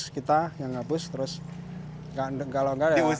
mereka sering menghapus suruh menghapus kita yang menghapus